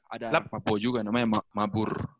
ada anak papua juga namanya mabur